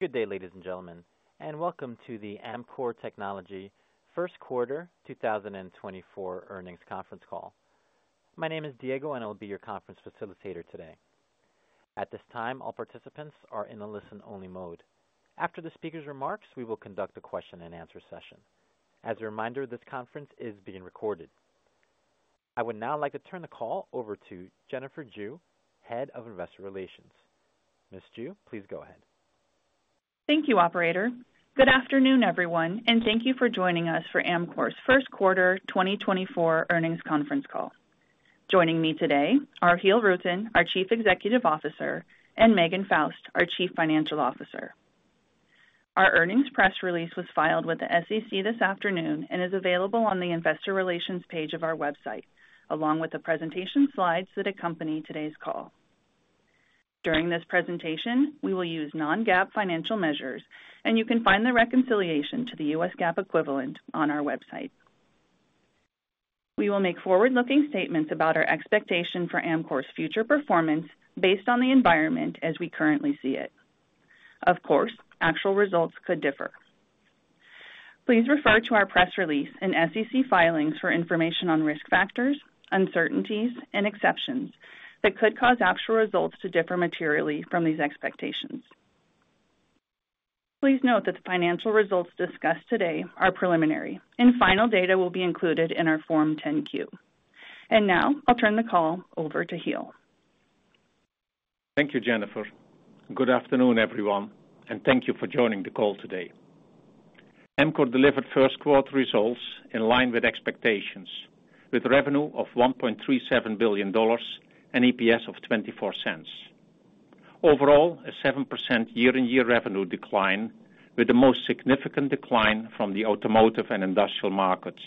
Good day, ladies and gentlemen, and welcome to the Amkor Technology First Quarter 2024 Earnings Conference Call. My name is Diego, and I'll be your conference facilitator today. At this time, all participants are in a listen-only mode. After the speaker's remarks, we will conduct a question-and-answer session. As a reminder, this conference is being recorded. I would now like to turn the call over to Jennifer Jue, Head of Investor Relations. Miss Jue, please go ahead. Thank you, operator. Good afternoon, everyone, and thank you for joining us for Amkor's First Quarter 2024 earnings conference call. Joining me today are Giel Rutten, our Chief Executive Officer, and Megan Faust, our Chief Financial Officer. Our earnings press release was filed with the SEC this afternoon and is available on the investor relations page of our website, along with the presentation slides that accompany today's call. During this presentation, we will use non-GAAP financial measures, and you can find the reconciliation to the US GAAP equivalent on our website. We will make forward-looking statements about our expectation for Amkor's future performance based on the environment as we currently see it. Of course, actual results could differ. Please refer to our press release and SEC filings for information on risk factors, uncertainties, and exceptions that could cause actual results to differ materially from these expectations. Please note that the financial results discussed today are preliminary, and final data will be included in our Form 10-Q. Now I'll turn the call over to Giel. Thank you, Jennifer. Good afternoon, everyone, and thank you for joining the call today. Amkor delivered first quarter results in line with expectations, with revenue of $1.37 billion and EPS of $0.24. Overall, a 7% year-on-year revenue decline, with the most significant decline from the automotive and industrial markets.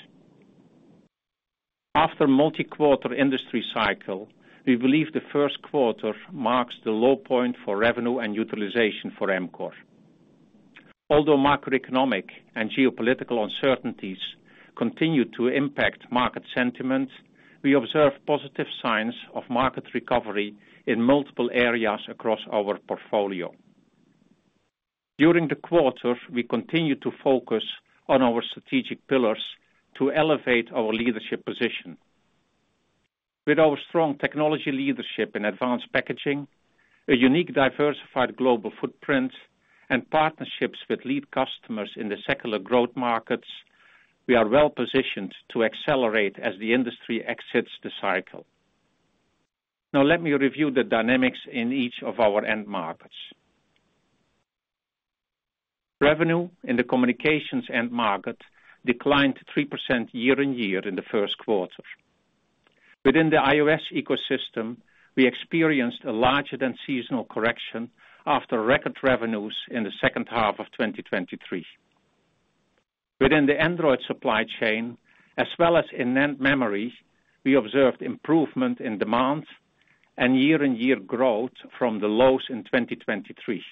After multi-quarter industry cycle, we believe the first quarter marks the low point for revenue and utilization for Amkor. Although macroeconomic and geopolitical uncertainties continue to impact market sentiment, we observe positive signs of market recovery in multiple areas across our portfolio. During the quarter, we continued to focus on our strategic pillars to elevate our leadership position. With our strong technology leadership in advanced packaging, a unique, diversified global footprint, and partnerships with lead customers in the secular growth markets, we are well positioned to accelerate as the industry exits the cycle. Now, let me review the dynamics in each of our end markets. Revenue in the communications end market declined 3% year-on-year in the first quarter. Within the iOS ecosystem, we experienced a larger than seasonal correction after record revenues in the second half of 2023. Within the Android supply chain, as well as in NAND memory, we observed improvement in demand and year-on-year growth from the lows in 2023.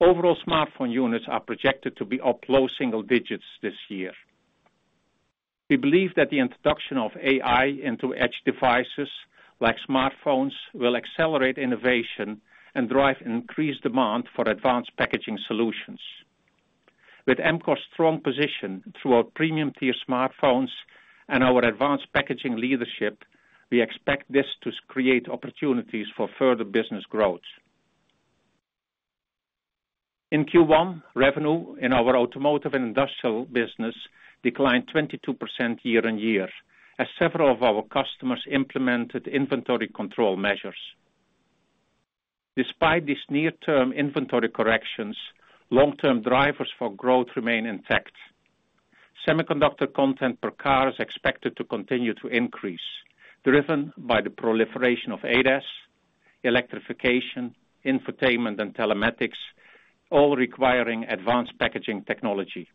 Overall, smartphone units are projected to be up low single digits this year. We believe that the introduction of AI into edge devices, like smartphones, will accelerate innovation and drive increased demand for advanced packaging solutions. With Amkor's strong position through our premium-tier smartphones and our advanced packaging leadership, we expect this to create opportunities for further business growth. In Q1, revenue in our automotive and industrial business declined 22% year-on-year, as several of our customers implemented inventory control measures. Despite these near-term inventory corrections, long-term drivers for growth remain intact. Semiconductor content per car is expected to continue to increase, driven by the proliferation of ADAS, electrification, infotainment, and telematics, all requiring advanced packaging technology.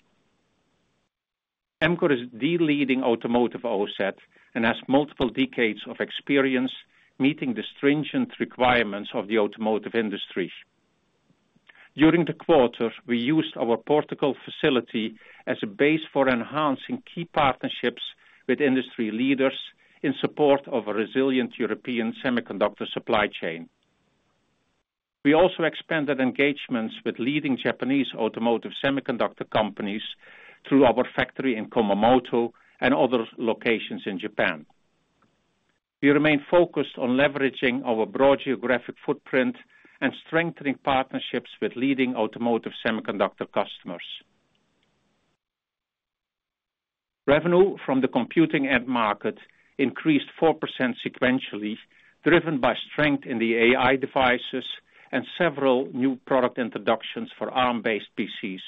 Amkor is the leading automotive OSAT and has multiple decades of experience meeting the stringent requirements of the automotive industry. During the quarter, we used our Portugal facility as a base for enhancing key partnerships with industry leaders in support of a resilient European semiconductor supply chain. We also expanded engagements with leading Japanese automotive semiconductor companies through our factory in Kumamoto and other locations in Japan. We remain focused on leveraging our broad geographic footprint and strengthening partnerships with leading automotive semiconductor customers. Revenue from the computing end market increased 4% sequentially, driven by strength in the AI devices and several new product introductions for Arm-based PCs.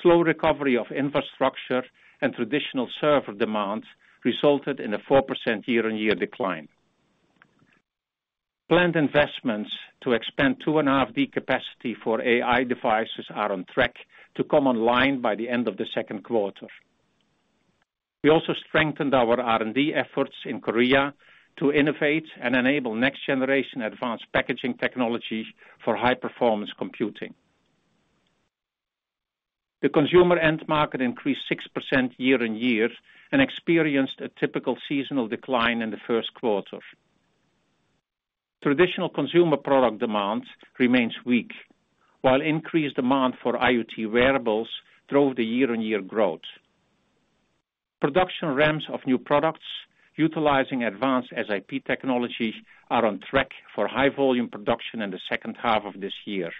Slow recovery of infrastructure and traditional server demand resulted in a 4% year-over-year decline. Planned investments to expand 2.5D capacity for AI devices are on track to come online by the end of the second quarter. We also strengthened our R&D efforts in Korea to innovate and enable next-generation advanced packaging technology for high-performance computing. The consumer end market increased 6% year-over-year and experienced a typical seasonal decline in the first quarter. Traditional consumer product demand remains weak, while increased demand for IoT wearables drove the year-over-year growth. Production ramps of new products utilizing advanced SiP technologies are on track for high-volume production in the second half of this year.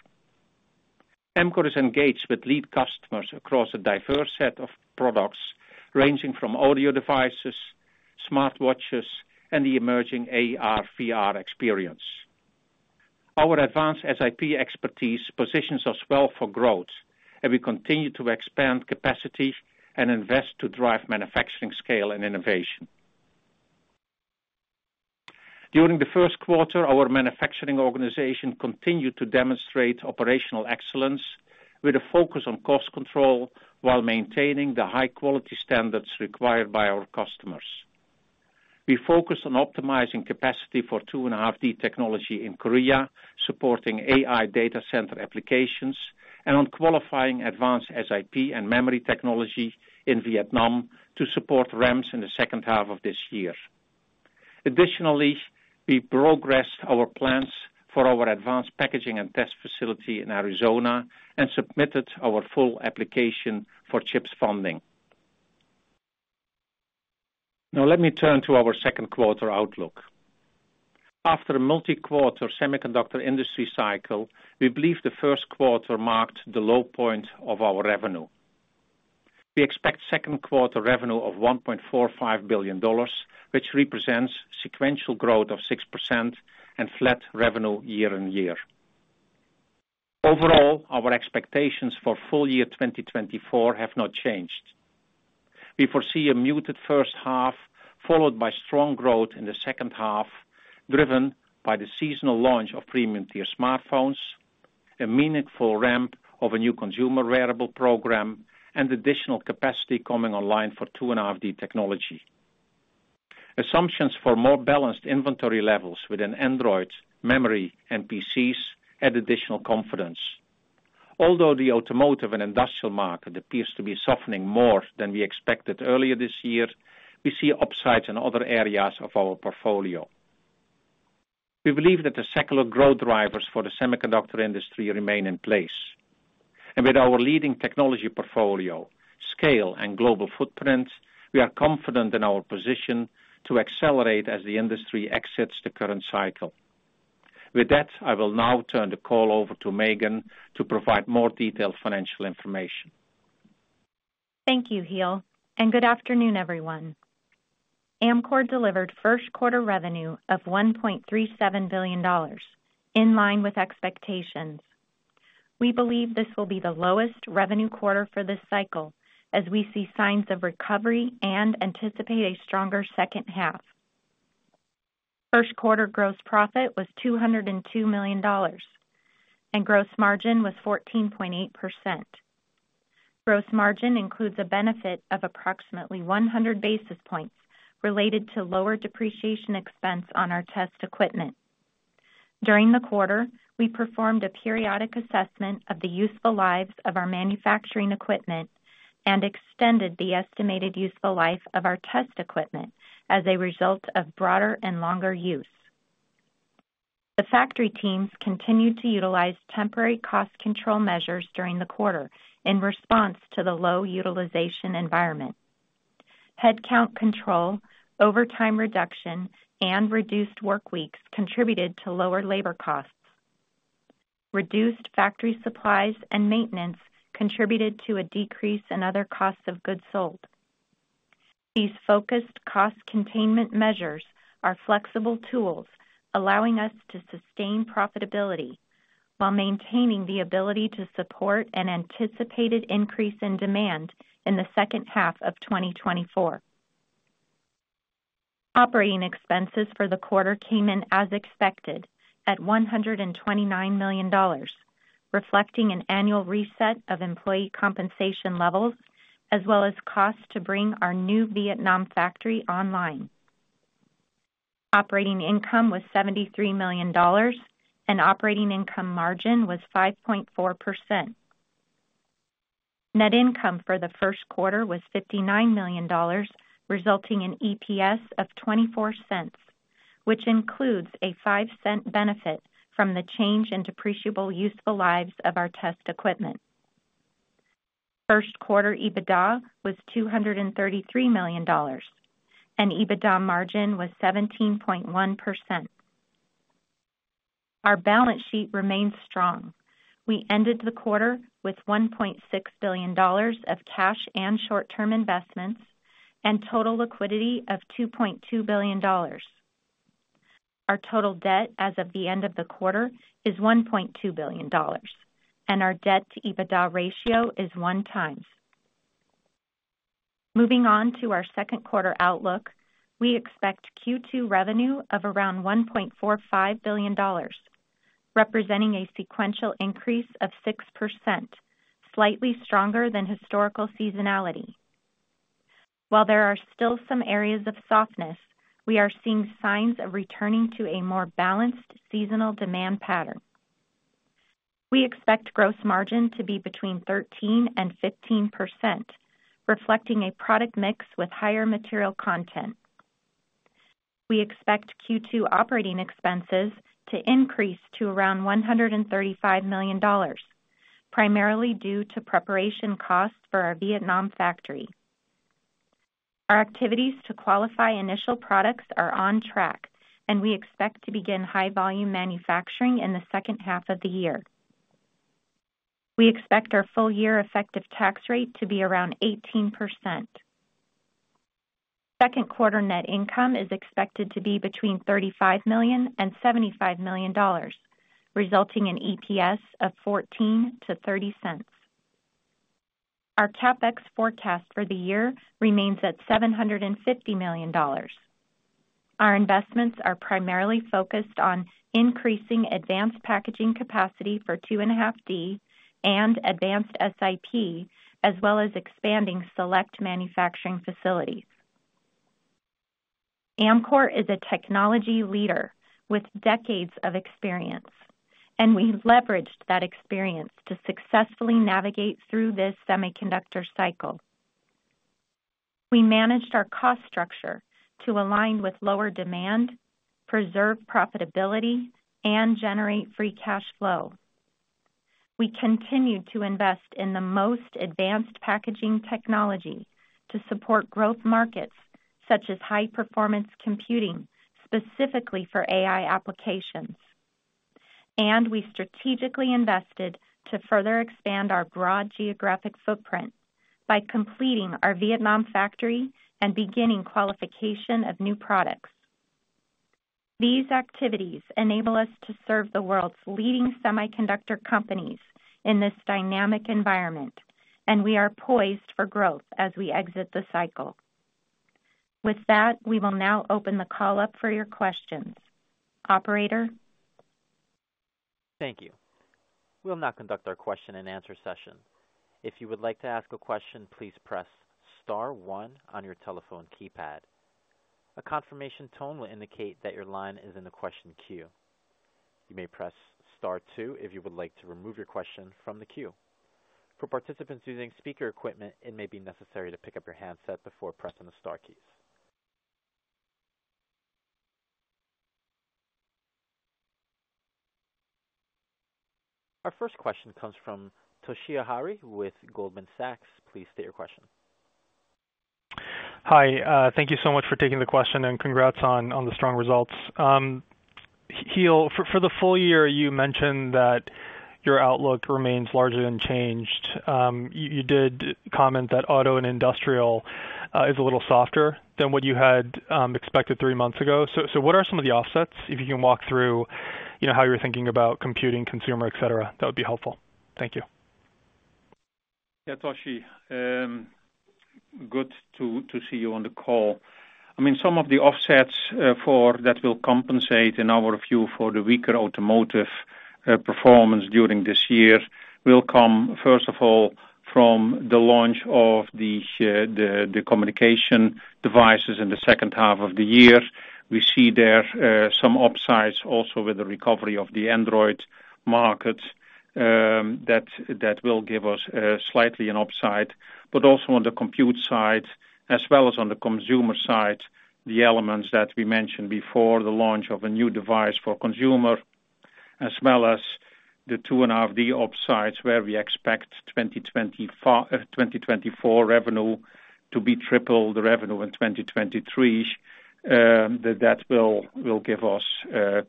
Amkor is engaged with lead customers across a diverse set of products, ranging from audio devices, smartwatches, and the emerging AR/VR experience. Our advanced SiP expertise positions us well for growth, and we continue to expand capacity and invest to drive manufacturing, scale, and innovation. During the first quarter, our manufacturing organization continued to demonstrate operational excellence with a focus on cost control while maintaining the high-quality standards required by our customers. We focused on optimizing capacity for 2.5D technology in Korea, supporting AI data center applications, and on qualifying advanced SiP and memory technology in Vietnam to support ramps in the second half of this year. Additionally, we progressed our plans for our advanced packaging and test facility in Arizona and submitted our full application for CHIPS funding. Now let me turn to our second quarter outlook. After a multi-quarter semiconductor industry cycle, we believe the first quarter marked the low point of our revenue. We expect second quarter revenue of $1.45 billion, which represents sequential growth of 6% and flat revenue year-on-year. Overall, our expectations for full year 2024 have not changed. We foresee a muted first half, followed by strong growth in the second half, driven by the seasonal launch of premium-tier smartphones, a meaningful ramp of a new consumer wearable program, and additional capacity coming online for 2.5D technology. Assumptions for more balanced inventory levels within Android, memory, and PCs add additional confidence. Although the automotive and industrial market appears to be softening more than we expected earlier this year, we see upsides in other areas of our portfolio. We believe that the secular growth drivers for the semiconductor industry remain in place, and with our leading technology portfolio, scale, and global footprint, we are confident in our position to accelerate as the industry exits the current cycle. With that, I will now turn the call over to Megan to provide more detailed financial information. Thank you, Giel, and good afternoon, everyone. Amkor delivered first quarter revenue of $1.37 billion, in line with expectations. We believe this will be the lowest revenue quarter for this cycle, as we see signs of recovery and anticipate a stronger second half. First quarter gross profit was $202 million, and gross margin was 14.8%. Gross margin includes a benefit of approximately 100 basis points related to lower depreciation expense on our test equipment. During the quarter, we performed a periodic assessment of the useful lives of our manufacturing equipment and extended the estimated useful life of our test equipment as a result of broader and longer use. The factory teams continued to utilize temporary cost control measures during the quarter in response to the low utilization environment. Headcount control, overtime reduction, and reduced workweeks contributed to lower labor costs. Reduced factory supplies and maintenance contributed to a decrease in other costs of goods sold. These focused cost containment measures are flexible tools, allowing us to sustain profitability while maintaining the ability to support an anticipated increase in demand in the second half of 2024. Operating expenses for the quarter came in as expected, at $129 million, reflecting an annual reset of employee compensation levels, as well as costs to bring our new Vietnam factory online. Operating income was $73 million, and operating income margin was 5.4%. Net income for the first quarter was $59 million, resulting in EPS of 24 cents, which includes a 5-cent benefit from the change in depreciable useful lives of our test equipment. First quarter EBITDA was $233 million, and EBITDA margin was 17.1%. Our balance sheet remains strong. We ended the quarter with $1.6 billion of cash and short-term investments and total liquidity of $2.2 billion. Our total debt as of the end of the quarter is $1.2 billion, and our debt-to-EBITDA ratio is 1x. Moving on to our second quarter outlook, we expect Q2 revenue of around $1.45 billion, representing a sequential increase of 6%, slightly stronger than historical seasonality. While there are still some areas of softness, we are seeing signs of returning to a more balanced seasonal demand pattern. We expect gross margin to be between 13% and 15%, reflecting a product mix with higher material content. We expect Q2 operating expenses to increase to around $135 million, primarily due to preparation costs for our Vietnam factory. Our activities to qualify initial products are on track, and we expect to begin high-volume manufacturing in the second half of the year. We expect our full-year effective tax rate to be around 18%. Second quarter net income is expected to be between $35 million and $75 million, resulting in EPS of $0.14-$0.30. Our CapEx forecast for the year remains at $750 million. Our investments are primarily focused on increasing advanced packaging capacity for 2.5D and advanced SiP, as well as expanding select manufacturing facilities. Amkor is a technology leader with decades of experience, and we leveraged that experience to successfully navigate through this semiconductor cycle. We managed our cost structure to align with lower demand, preserve profitability, and generate free cash flow. We continued to invest in the most advanced packaging technology to support growth markets, such as high-performance computing, specifically for AI applications. We strategically invested to further expand our broad geographic footprint by completing our Vietnam factory and beginning qualification of new products. These activities enable us to serve the world's leading semiconductor companies in this dynamic environment, and we are poised for growth as we exit the cycle. With that, we will now open the call up for your questions. Operator? Thank you. We'll now conduct our question-and-answer session. If you would like to ask a question, please press star one on your telephone keypad. A confirmation tone will indicate that your line is in the question queue. You may press star two if you would like to remove your question from the queue. For participants using speaker equipment, it may be necessary to pick up your handset before pressing the star keys. Our first question comes from Toshiya Hari with Goldman Sachs. Please state your question. Hi, thank you so much for taking the question, and congrats on the strong results. Giel, for the full year, you mentioned that your outlook remains largely unchanged. You did comment that auto and industrial is a little softer than what you had expected three months ago. So what are some of the offsets? If you can walk through, you know, how you're thinking about computing, consumer, et cetera, that would be helpful. Thank you. Yeah, Toshi, good to see you on the call. I mean, some of the offsets for that will compensate, in our view, for the weaker automotive performance during this year, will come, first of all, from the launch of the communication devices in the second half of the year. We see there some upsides also with the recovery of the Android market, that will give us slightly an upside, but also on the compute side as well as on the consumer side, the elements that we mentioned before, the launch of a new device for consumer, as well as the 2.5D upsides, where we expect 2024 revenue to be triple the revenue in 2023, that will give us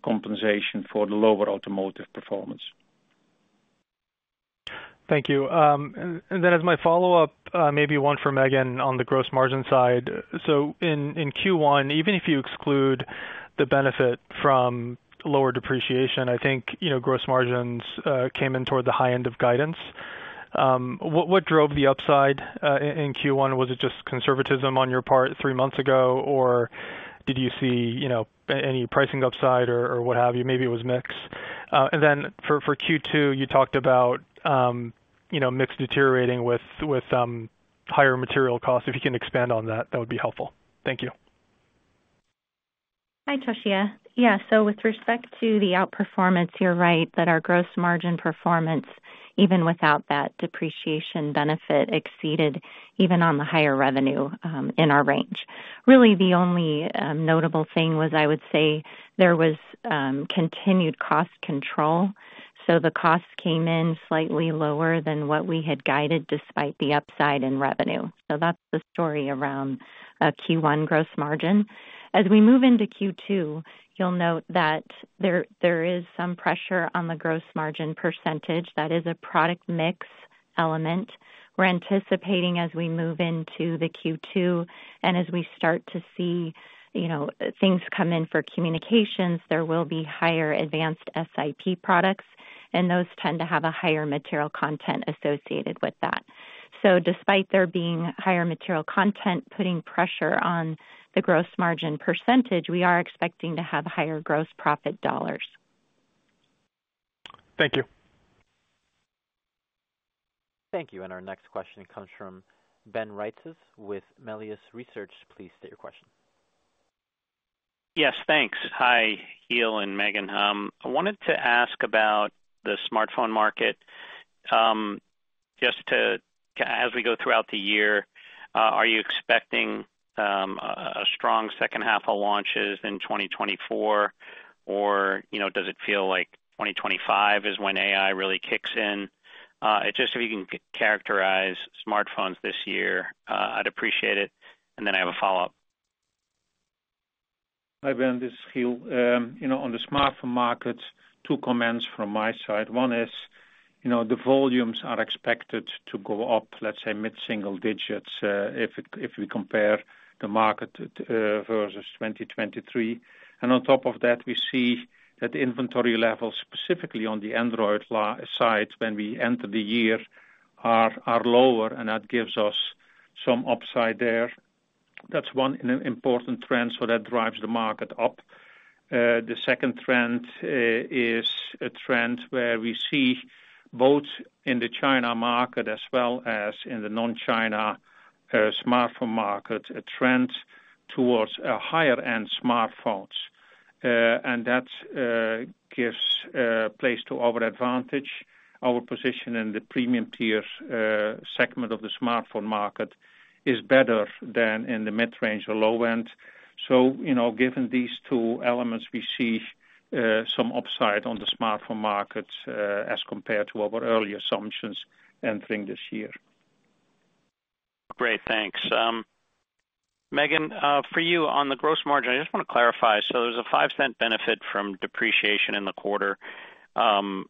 compensation for the lower automotive performance. Thank you. And then as my follow-up, maybe one for Megan on the gross margin side. So in Q1, even if you exclude the benefit from lower depreciation, I think, you know, gross margins came in toward the high end of guidance. What drove the upside in Q1? Was it just conservatism on your part three months ago, or did you see, you know, any pricing upside or what have you? Maybe it was mix. And then for Q2, you talked about, you know, mix deteriorating with higher material costs. If you can expand on that, that would be helpful. Thank you. Hi, Toshiya. Yeah, so with respect to the outperformance, you're right that our gross margin performance, even without that depreciation benefit, exceeded even on the higher revenue in our range. Really, the only notable thing was, I would say there was continued cost control, so the costs came in slightly lower than what we had guided, despite the upside in revenue. So that's the story around Q1 gross margin. As we move into Q2, you'll note that there is some pressure on the gross margin percentage. That is a product mix element. We're anticipating as we move into the Q2, and as we start to see, you know, things come in for communications, there will be higher advanced SiP products, and those tend to have a higher material content associated with that. So despite there being higher material content, putting pressure on the gross margin percentage, we are expecting to have higher gross profit dollars.... Thank you. Thank you, and our next question comes from Ben Reitzes with Melius Research. Please state your question. Yes, thanks. Hi, Giel and Megan. I wanted to ask about the smartphone market. Just to, as we go throughout the year, are you expecting a strong second half of launches in 2024? Or, you know, does it feel like 2025 is when AI really kicks in? Just so you can characterize smartphones this year, I'd appreciate it, and then I have a follow-up. Hi, Ben, this is Giel. You know, on the smartphone market, two comments from my side. One is, you know, the volumes are expected to go up, let's say, mid-single digits, if we compare the market versus 2023. And on top of that, we see that the inventory levels, specifically on the Android side, when we enter the year, are lower, and that gives us some upside there. That's one important trend, so that drives the market up. The second trend is a trend where we see both in the China market as well as in the non-China smartphone market, a trend towards higher-end smartphones. And that gives place to our advantage. Our position in the premium tier segment of the smartphone market is better than in the mid-range or low end. You know, given these two elements, we see some upside on the smartphone market as compared to our earlier assumptions entering this year. Great, thanks. Megan, for you, on the gross margin, I just want to clarify. So there's a $0.05 benefit from depreciation in the quarter, and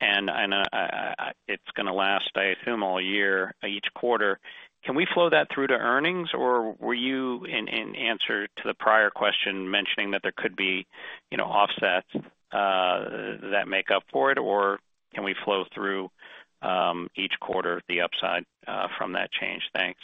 it's gonna last, I assume, all year, each quarter. Can we flow that through to earnings? Or were you, in answer to the prior question, mentioning that there could be, you know, offsets that make up for it, or can we flow through each quarter, the upside from that change? Thanks.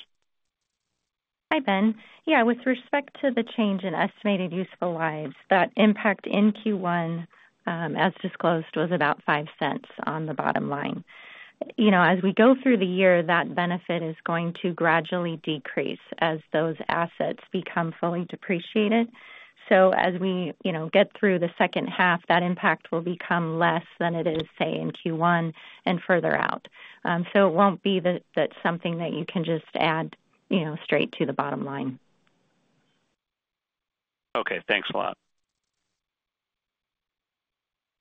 Hi, Ben. Yeah, with respect to the change in estimated useful lives, that impact in Q1, as disclosed, was about $0.05 on the bottom line. You know, as we go through the year, that benefit is going to gradually decrease as those assets become fully depreciated. So as we, you know, get through the second half, that impact will become less than it is, say, in Q1 and further out. So it won't be that, that's something that you can just add, you know, straight to the bottom line. Okay, thanks a lot.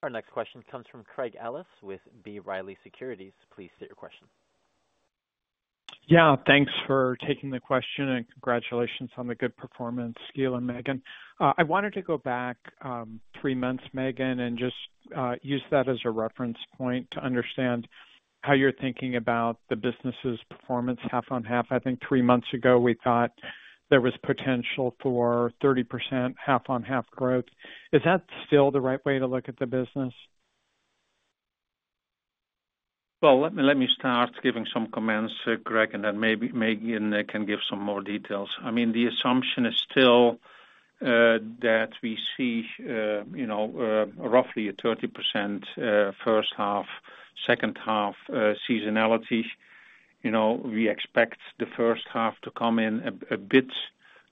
Our next question comes from Craig Ellis with B. Riley Securities. Please state your question. Yeah, thanks for taking the question, and congratulations on the good performance, Giel and Megan. I wanted to go back three months, Megan, and just use that as a reference point to understand how you're thinking about the business's performance half on half. I think three months ago, we thought there was potential for 30% half-on-half growth. Is that still the right way to look at the business? Well, let me start giving some comments, Craig, and then maybe Megan can give some more details. I mean, the assumption is still that we see you know, roughly a 30% first half, second half seasonality. You know, we expect the first half to come in a bit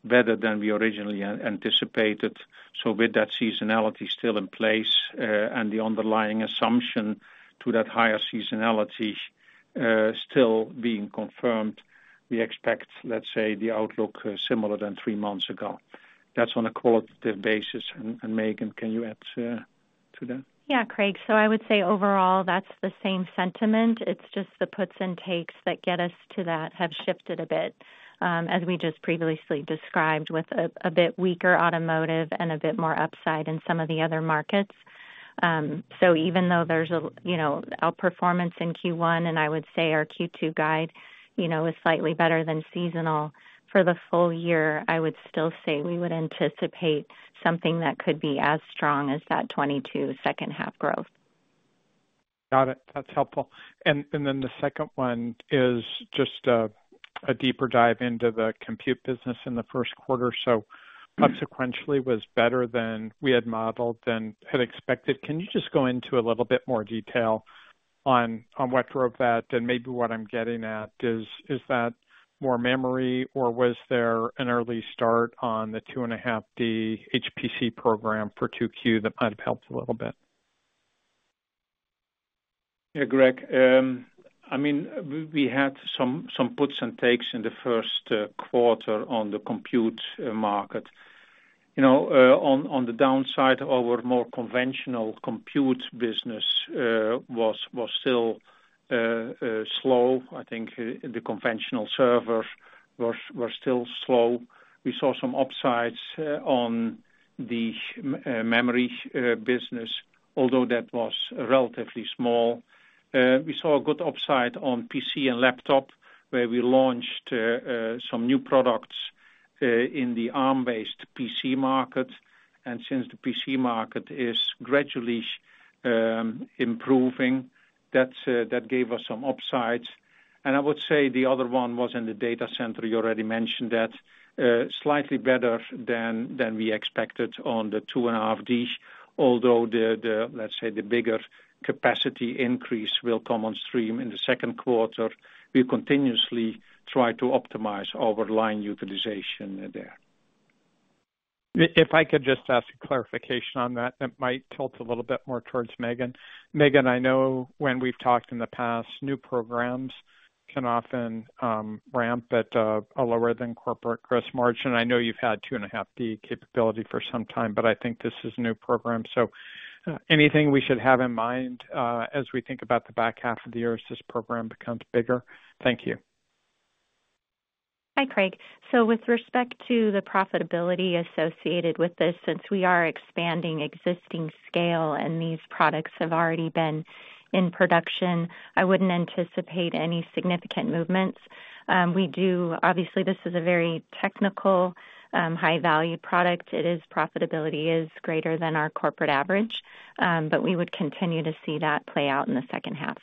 better than we originally anticipated. So with that seasonality still in place, and the underlying assumption to that higher seasonality still being confirmed, we expect, let's say, the outlook similar than three months ago. That's on a qualitative basis. And Megan, can you add to that? Yeah, Craig. So I would say overall, that's the same sentiment. It's just the puts and takes that get us to that have shifted a bit, as we just previously described, with a bit weaker automotive and a bit more upside in some of the other markets. So even though there's you know, outperformance in Q1, and I would say our Q2 guide, you know, is slightly better than seasonal. For the full year, I would still say we would anticipate something that could be as strong as that 2022 second half growth. Got it. That's helpful. And then the second one is just a deeper dive into the compute business in the first quarter. So consequentially was better than we had modeled, than had expected. Can you just go into a little bit more detail on what drove that? And maybe what I'm getting at is that more memory, or was there an early start on the 2.5D HPC program for 2Q that might have helped a little bit? Yeah, Craig, I mean, we had some puts and takes in the first quarter on the compute market. You know, on the downside, our more conventional compute business was still slow. I think the conventional server was still slow. We saw some upsides on the memory business, although that was relatively small. We saw a good upside on PC and laptop, where we launched some new products in the ARM-based PC market. And since the PC market is gradually improving, that gave us some upsides. And I would say the other one was in the data center. You already mentioned that, slightly better than we expected on the 2.5D, although, let's say, the bigger capacity increase will come on stream in the second quarter. We continuously try to optimize our line utilization there. If I could just ask a clarification on that, that might tilt a little bit more towards Megan. Megan, I know when we've talked in the past, new programs can often ramp at a lower than corporate gross margin. I know you've had 2.5D capability for some time, but I think this is a new program. So anything we should have in mind as we think about the back half of the year as this program becomes bigger? Thank you. Hi, Craig. So with respect to the profitability associated with this, since we are expanding existing scale and these products have already been in production, I wouldn't anticipate any significant movements. Obviously, this is a very technical, high-value product. Its profitability is greater than our corporate average, but we would continue to see that play out in the second half.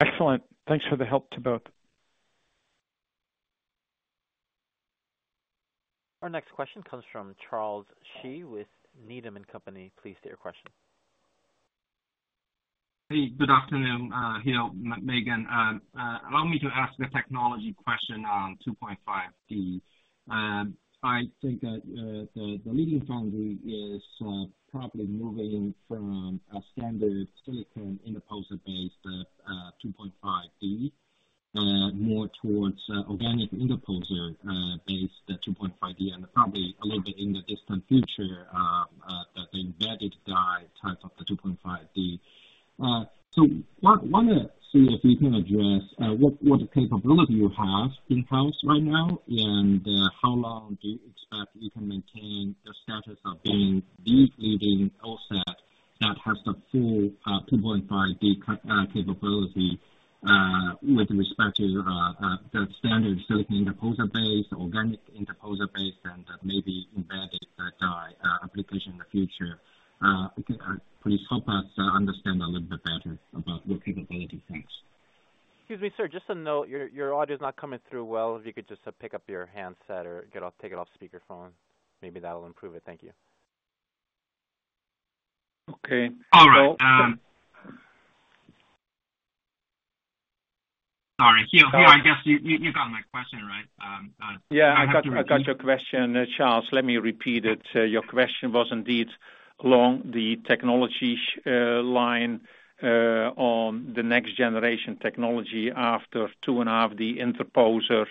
Excellent. Thanks for the help to both. Our next question comes from Charles Shi with Needham and Company. Please state your question. Hey, good afternoon, Giel and Megan. Allow me to ask a technology question on 2.5D. I think that the leading foundry is probably moving from a standard silicon interposer-based 2.5D more towards organic interposer based 2.5D, and probably a little bit in the distant future the embedded die type of the 2.5D. So want to see if you can address what capability you have in-house right now, and how long do you expect you can maintain the status of being the leading OSAT that has the full 2.5D capability with respect to the standard silicon interposer-based, organic interposer-based, and maybe embedded die application in the future? Can you please help us understand a little bit better about your capability? Thanks. Excuse me, sir, just a note. Your, your audio is not coming through well. If you could just, pick up your handset or get off, take it off speaker phone, maybe that'll improve it. Thank you. Okay. All right, Sorry. Giel, I guess you got my question, right? Yeah, I got your, I got your question, Charles. Let me repeat it. Your question was indeed along the technology line, on the next generation technology after 2.5D interposer,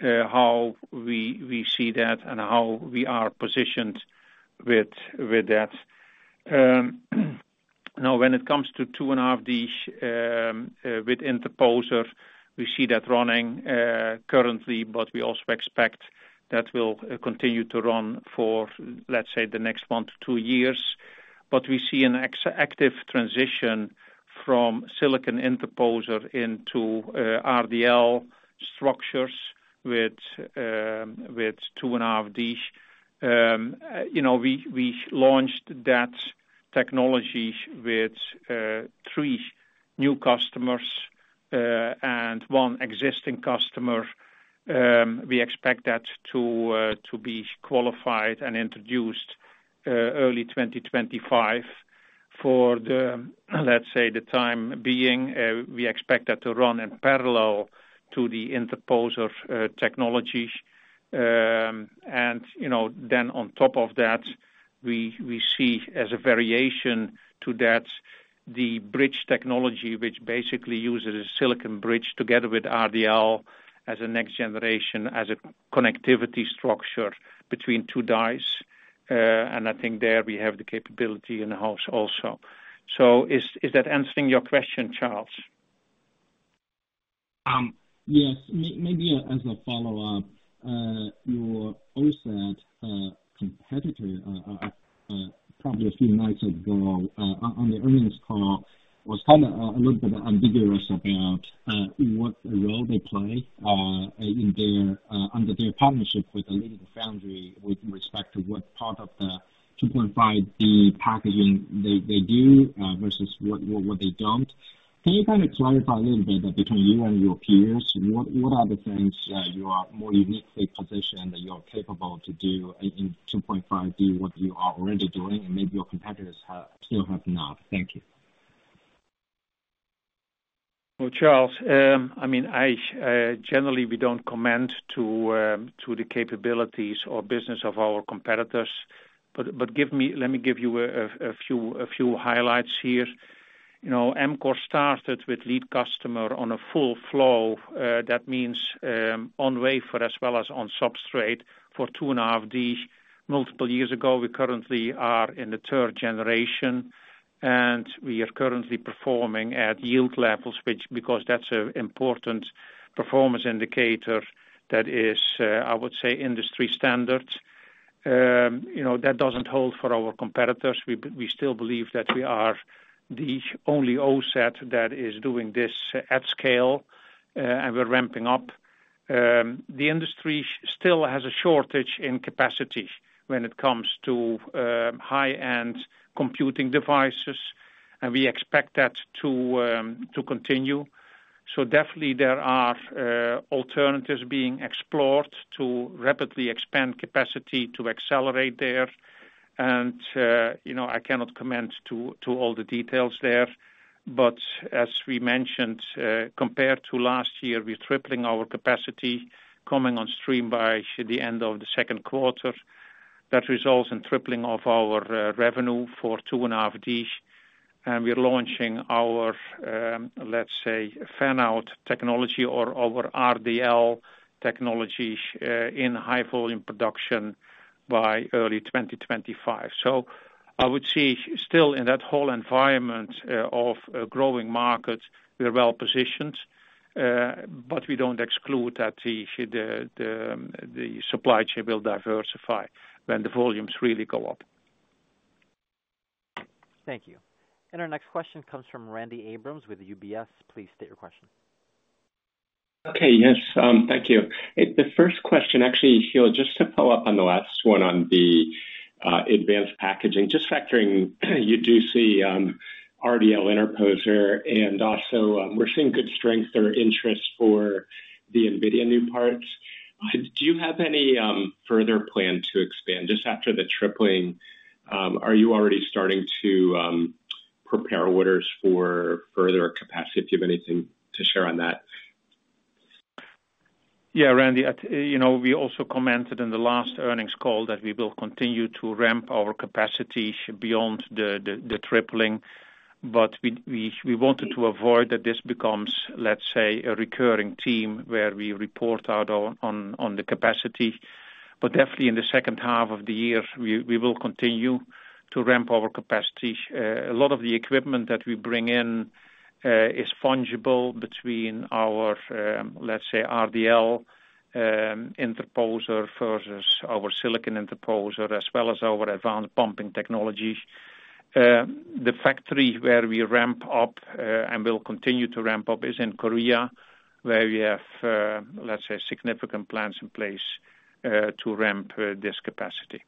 how we see that and how we are positioned with that. Now, when it comes to 2.5D, with interposer, we see that running currently, but we also expect that will continue to run for, let's say, the next 1-2 years. But we see an active transition from silicon interposer into RDL structures with 2.5D. You know, we launched that technology with three new customers and one existing customer. We expect that to be qualified and introduced early 2025. For the, let's say, the time being, we expect that to run in parallel to the interposer technology. And, you know, then on top of that, we, we see as a variation to that, the bridge technology, which basically uses a silicon bridge together with RDL as a next generation, as a connectivity structure between two dies. And I think there we have the capability in-house also. So is, is that answering your question, Charles? Yes. Maybe as a follow-up, your OSAT competitor, probably a few months ago on the earnings call, was kind of a little bit ambiguous about what role they play in their under their partnership with the leading foundry, with respect to what part of the 2.5D packaging they do versus what they don't. Can you kind of clarify a little bit between you and your peers, what the things you are more uniquely positioned that you are capable to do in 2.5D, what you are already doing, and maybe your competitors still have not? Thank you. Well, Charles, I mean, generally we don't comment to the capabilities or business of our competitors, but let me give you a few highlights here. You know, Amkor started with lead customer on a full flow. That means on wafer as well as on substrate for 2.5D multiple years ago. We currently are in the third generation, and we are currently performing at yield levels, which, because that's an important performance indicator, that is, I would say, industry standard. You know, that doesn't hold for our competitors. We still believe that we are the only OSAT that is doing this at scale... and we're ramping up. The industry still has a shortage in capacity when it comes to high-end computing devices, and we expect that to continue. So definitely there are alternatives being explored to rapidly expand capacity to accelerate there. And you know, I cannot comment to all the details there. But as we mentioned, compared to last year, we're tripling our capacity, coming on stream by the end of the second quarter. That results in tripling of our revenue for 2.5D. And we're launching our, let's say, fan-out technology or our RDL technology in high-volume production by early 2025. So I would say, still in that whole environment of growing markets, we are well positioned, but we don't exclude that the supply chain will diversify when the volumes really go up. Thank you. Our next question comes from Randy Abrams with UBS. Please state your question. Okay. Yes, thank you. The first question, actually, Giel, just to follow up on the last one on the advanced packaging. Just factoring, you do see RDL interposer and also, we're seeing good strength or interest for the NVIDIA new parts. Do you have any further plan to expand? Just after the tripling, are you already starting to prepare orders for further capacity? Do you have anything to share on that? Yeah, Randy. You know, we also commented in the last earnings call that we will continue to ramp our capacity beyond the tripling. But we wanted to avoid that this becomes, let's say, a recurring theme, where we report out on the capacity. But definitely in the second half of the year, we will continue to ramp our capacity. A lot of the equipment that we bring in is fungible between our, let's say, RDL interposer versus our silicon interposer, as well as our advanced bumping technology. The factory where we ramp up and will continue to ramp up is in Korea, where we have, let's say, significant plans in place to ramp this capacity.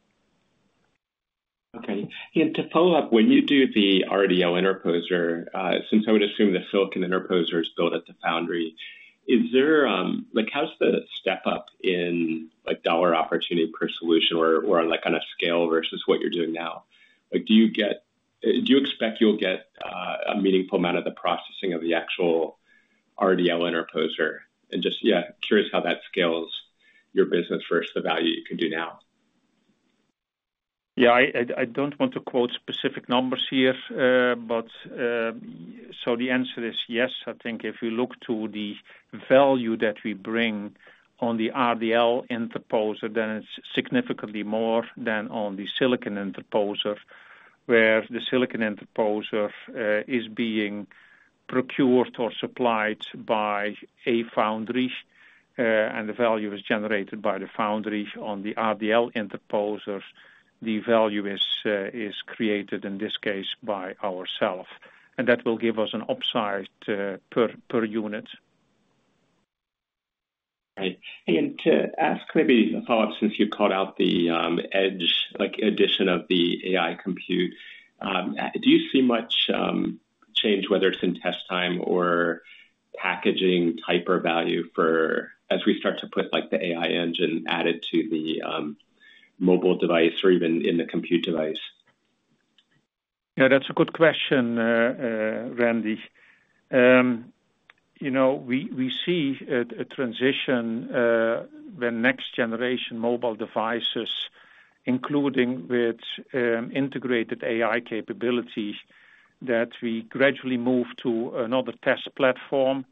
Okay. And to follow up, when you do the RDL interposer, since I would assume the silicon interposer is built at the foundry, is there, like, how's the step up in, like, dollar opportunity per solution or, or, like, on a scale versus what you're doing now? Like, do you expect you'll get a meaningful amount of the processing of the actual RDL interposer? And just, yeah, curious how that scales your business versus the value you can do now. Yeah, I don't want to quote specific numbers here, but so the answer is yes. I think if you look to the value that we bring on the RDL interposer, then it's significantly more than on the silicon interposer, where the silicon interposer is being procured or supplied by a foundry, and the value is generated by the foundry. On the RDL interposers, the value is created, in this case, by ourself, and that will give us an upside per unit. Right. To ask maybe a follow-up, since you called out the edge, like, addition of the AI compute, do you see much change, whether it's in test time or packaging type or value for... as we start to put, like, the AI engine added to the mobile device or even in the compute device? Yeah, that's a good question, Randy. You know, we see a transition when next-generation mobile devices, including with integrated AI capabilities, that we gradually move to another test platform,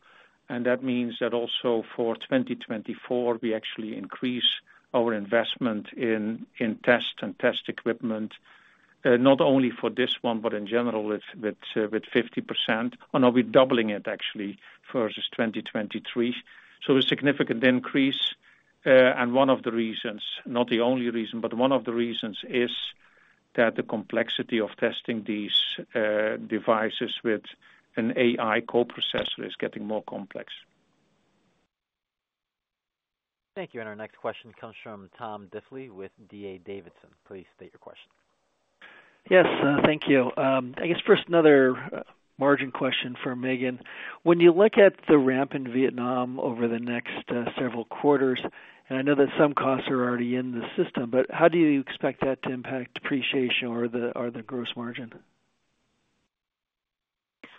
and that means that also for 2024, we actually increase our investment in test and test equipment, not only for this one, but in general, with 50%. Oh, no, we're doubling it actually versus 2023. So a significant increase, and one of the reasons, not the only reason, but one of the reasons is that the complexity of testing these devices with an AI coprocessor is getting more complex. Thank you. Our next question comes from Tom Diffley with D.A. Davidson. Please state your question. Yes, thank you. I guess first, another margin question for Megan. When you look at the ramp in Vietnam over the next several quarters, and I know that some costs are already in the system, but how do you expect that to impact depreciation or the gross margin?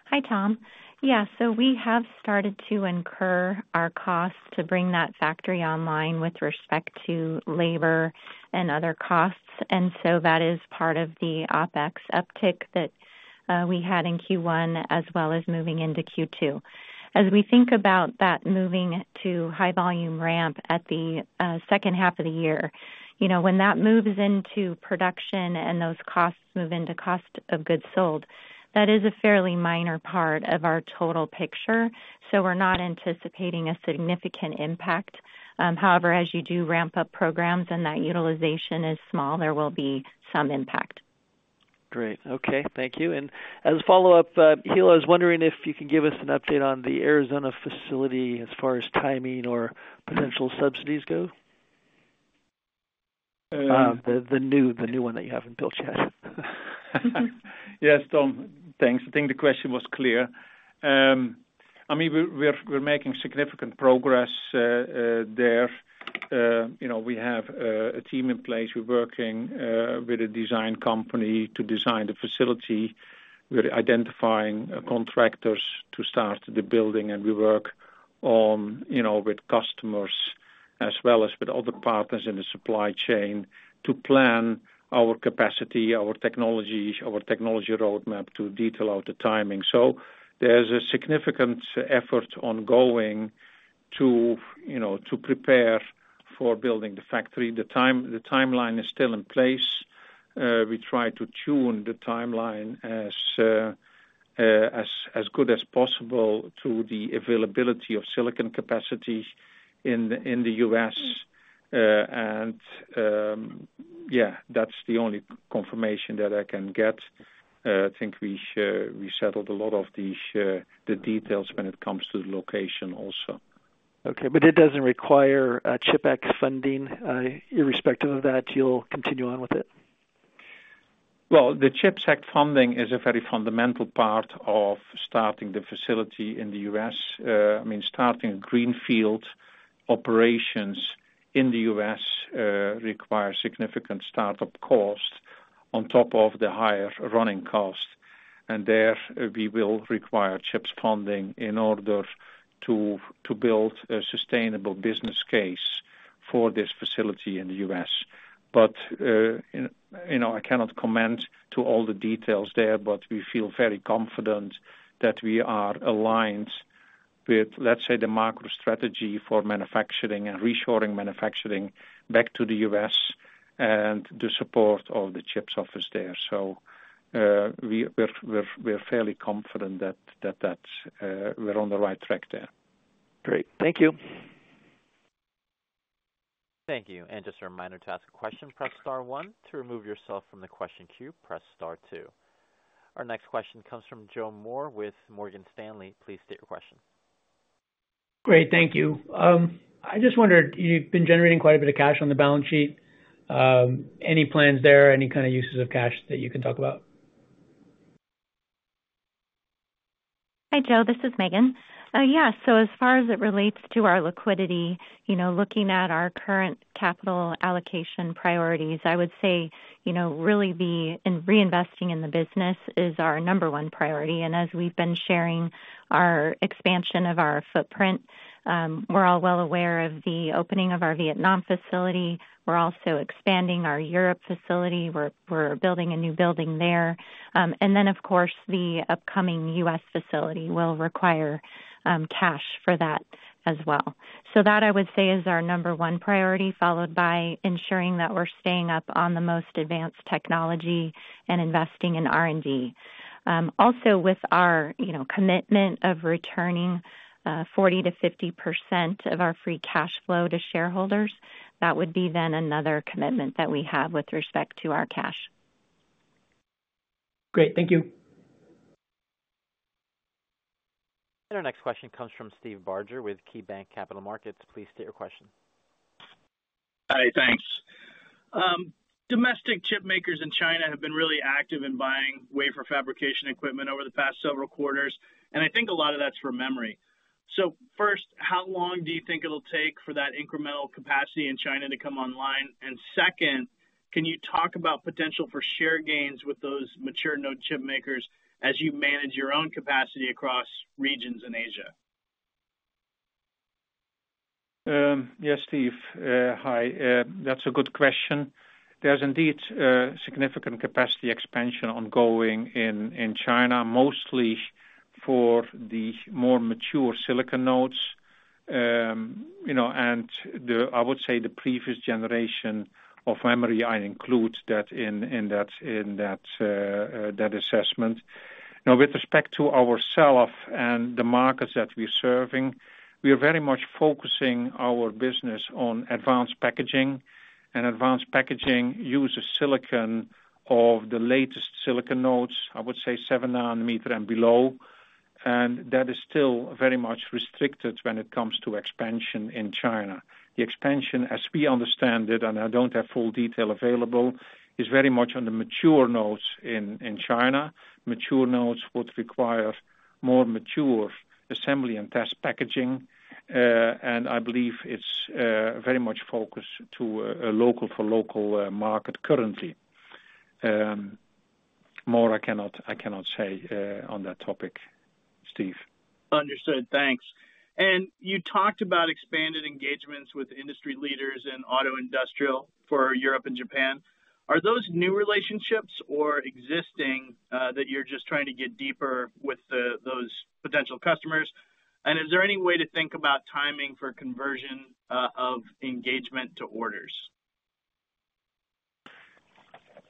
Hi, Tom. Yeah, so we have started to incur our costs to bring that factory online with respect to labor and other costs, and so that is part of the OpEx uptick that we had in Q1, as well as moving into Q2. As we think about that moving to high-volume ramp at the second half of the year, you know, when that moves into production and those costs move into cost of goods sold, that is a fairly minor part of our total picture, so we're not anticipating a significant impact. However, as you do ramp up programs and that utilization is small, there will be some impact. Great. Okay, thank you. As a follow-up, Giel, I was wondering if you could give us an update on the Arizona facility as far as timing or potential subsidies go? The new one that you haven't built yet. Yes, Tom, thanks. I think the question was clear. I mean, we're making significant progress there. You know, we have a team in place. We're working with a design company to design the facility. We're identifying contractors to start the building, and we work on, you know, with customers as well as with other partners in the supply chain to plan our capacity, our technology, our technology roadmap to detail out the timing. So there's a significant effort ongoing to, you know, to prepare for building the factory. The timeline is still in place. We try to tune the timeline as good as possible to the availability of silicon capacity in the U.S. And, yeah, that's the only confirmation that I can get. I think we settled a lot of the details when it comes to the location also. Okay, but it doesn't require CHIPS Act funding. Irrespective of that, you'll continue on with it? Well, the CHIPS Act funding is a very fundamental part of starting the facility in the U.S. I mean, starting greenfield operations in the U.S. requires significant startup cost on top of the higher running cost, and there, we will require CHIPS funding in order to build a sustainable business case for this facility in the U.S. But, you know, I cannot comment to all the details there, but we feel very confident that we are aligned with, let's say, the macro strategy for manufacturing and reshoring manufacturing back to the U.S. and the support of the CHIPS office there. So, we're fairly confident that we're on the right track there. Great. Thank you. Thank you. And just a reminder, to ask a question, press star one, to remove yourself from the question queue, press star two. Our next question comes from Joe Moore with Morgan Stanley. Please state your question. Great. Thank you. I just wondered, you've been generating quite a bit of cash on the balance sheet. Any plans there? Any kind of uses of cash that you can talk about? Hi, Joe. This is Megan. Yeah, so as far as it relates to our liquidity, you know, looking at our current capital allocation priorities, I would say, you know, really, in reinvesting in the business is our number one priority. And as we've been sharing our expansion of our footprint, we're all well aware of the opening of our Vietnam facility. We're also expanding our Europe facility. We're building a new building there. And then, of course, the upcoming US facility will require cash for that as well. So that, I would say, is our number one priority, followed by ensuring that we're staying up on the most advanced technology and investing in R&D. Also, with our, you know, commitment of returning 40%-50% of our free cash flow to shareholders, that would be then another commitment that we have with respect to our cash. Great. Thank you. Our next question comes from Steve Barger with KeyBanc Capital Markets. Please state your question. Hi, thanks. Domestic chipmakers in China have been really active in buying wafer fabrication equipment over the past several quarters, and I think a lot of that's for memory. So first, how long do you think it'll take for that incremental capacity in China to come online? And second, can you talk about potential for share gains with those mature node chipmakers as you manage your own capacity across regions in Asia? Yes, Steve, that's a good question. There's indeed significant capacity expansion ongoing in China, mostly for the more mature silicon nodes. I would say the previous generation of memory, I include that in that assessment. Now, with respect to ourselves and the markets that we're serving, we are very much focusing our business on advanced packaging, and advanced packaging uses silicon of the latest silicon nodes, I would say 7-nanometer and below, and that is still very much restricted when it comes to expansion in China. The expansion, as we understand it, and I don't have full detail available, is very much on the mature nodes in China. Mature nodes would require more mature assembly and test packaging, and I believe it's very much focused to a local-for-local market currently. More I cannot say on that topic, Steve. Understood. Thanks. You talked about expanded engagements with industry leaders in auto industrial for Europe and Japan. Are those new relationships or existing that you're just trying to get deeper with those potential customers? Is there any way to think about timing for conversion of engagement to orders?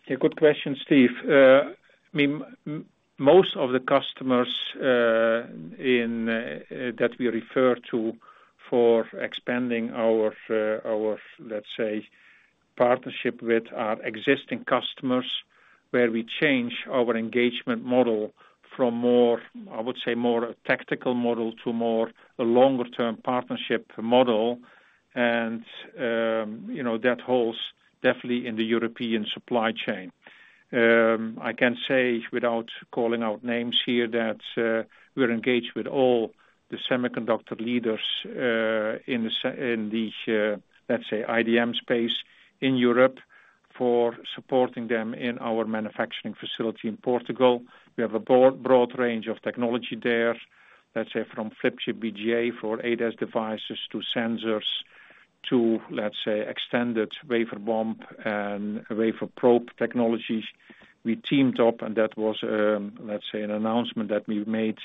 A good question, Steve. I mean, most of the customers, in, that we refer to-... for expanding our, let's say, partnership with our existing customers, where we change our engagement model from more, I would say, more tactical model to more a longer-term partnership model. And, you know, that holds definitely in the European supply chain. I can say, without calling out names here, that, we're engaged with all the semiconductor leaders, in the, let's say, IDM space in Europe, for supporting them in our manufacturing facility in Portugal. We have a broad, broad range of technology there, let's say from flip chip BGA for ADAS devices to sensors, to, let's say, extended wafer bump and wafer probe technologies. We teamed up, and that was, let's say, an announcement that we made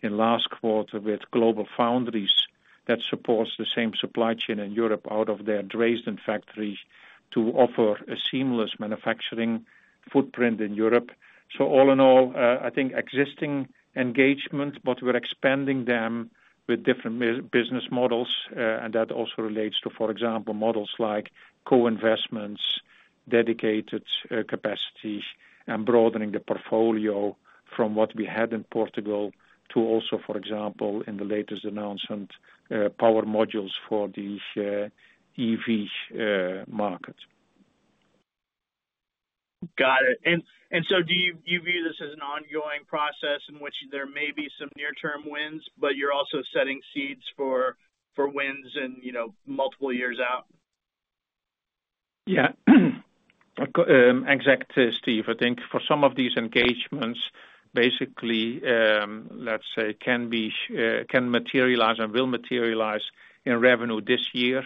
in last quarter with GlobalFoundries that supports the same supply chain in Europe out of their Dresden factory, to offer a seamless manufacturing footprint in Europe. So all in all, I think existing engagements, but we're expanding them with different business models, and that also relates to, for example, models like co-investments, dedicated capacity, and broadening the portfolio from what we had in Portugal to also, for example, in the latest announcement, power modules for the EV market. Got it. And so do you view this as an ongoing process in which there may be some near-term wins, but you're also setting seeds for wins and, you know, multiple years out? Yeah. Exactly, Steve, I think for some of these engagements, basically, let's say, can materialize and will materialize in revenue this year.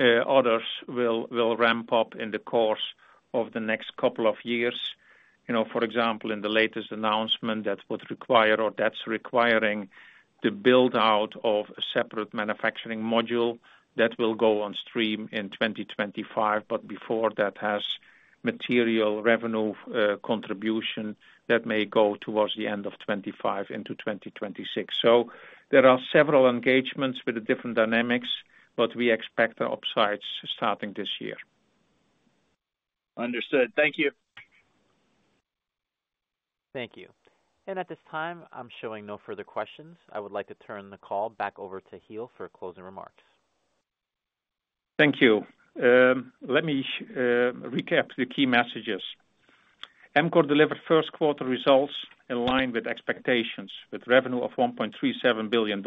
Others will ramp up in the course of the next couple of years. You know, for example, in the latest announcement, that would require or that's requiring the build-out of a separate manufacturing module that will go on stream in 2025, but before that has material revenue contribution that may go towards the end of 2025 into 2026. So there are several engagements with the different dynamics, but we expect the upsides starting this year. Understood. Thank you. Thank you. At this time, I'm showing no further questions. I would like to turn the call back over to Giel for closing remarks. Thank you. Let me recap the key messages. Amkor delivered first quarter results in line with expectations, with revenue of $1.37 billion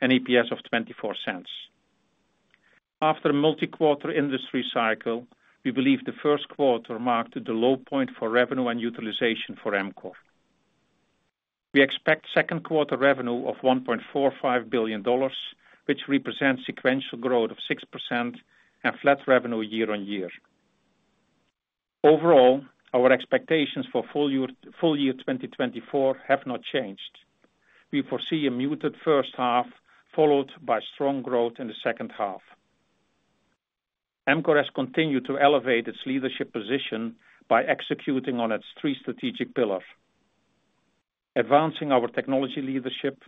and EPS of $0.24. After a multi-quarter industry cycle, we believe the first quarter marked the low point for revenue and utilization for Amkor. We expect second quarter revenue of $1.45 billion, which represents sequential growth of 6% and flat revenue year-on-year. Overall, our expectations for full year, full year 2024 have not changed. We foresee a muted first half, followed by strong growth in the second half. Amkor has continued to elevate its leadership position by executing on its three strategic pillars: advancing our technology leadership,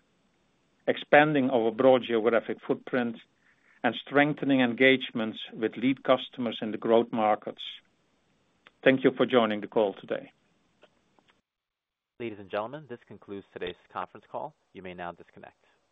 expanding our broad geographic footprint, and strengthening engagements with lead customers in the growth markets. Thank you for joining the call today. Ladies and gentlemen, this concludes today's conference call. You may now disconnect.